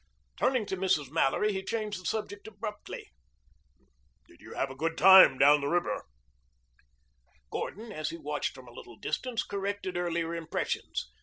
Turning to Mrs. Mallory, he changed the subject abruptly. "Did you have a good time down the river?" Gordon, as he watched from a little distance, corrected earlier impressions.